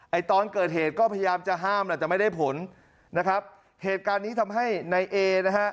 ตอนเกิดเหตุก็พยายามจะห้ามแหละแต่ไม่ได้ผลนะครับเหตุการณ์นี้ทำให้นายเอนะฮะ